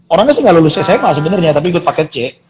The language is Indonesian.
orangnya sih nggak lulus sma sebenarnya tapi ikut paket c